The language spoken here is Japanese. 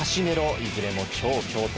いずれも強敵